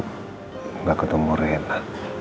tidak ketemu reina